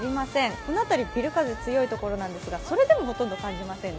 この辺りビル風強いところなんですがそれでもほとんど感じませんね。